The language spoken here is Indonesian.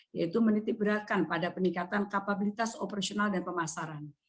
yaitu menitipberatkan pada peningkatan kapabilitas operasional dan pemasaran